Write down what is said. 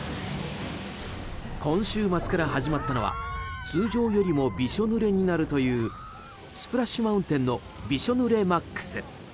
今週末から始まったのは通常よりもびしょぬれになるというスプラッシュ・マウンテンのびしょ濡れＭＡＸ。